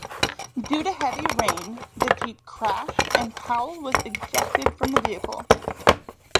Due to heavy rain, the jeep crashed and Powell was ejected from the vehicle.